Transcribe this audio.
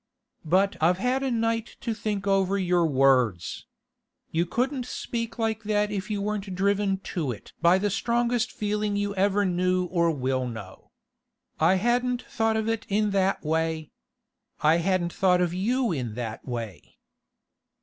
But I've had a night to think over your words. You couldn't speak like that if you weren't driven to it by the strongest feeling you ever knew or will know. I hadn't thought of it in that way; I hadn't thought of you in that way.